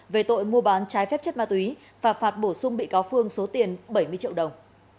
về tội mua bán trái phép chất ma túy và phạt bổ sung bị cáo phương số tiền bảy mươi triệu đồng